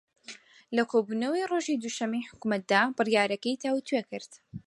لە کۆبوونەوەکەی ڕۆژی دووشەممەی حکوومەتدا بڕیارەکەی تاووتوێ کرد